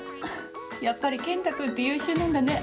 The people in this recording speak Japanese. やっぱり健太君って優秀なんだね。